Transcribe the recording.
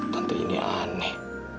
tante ini aneh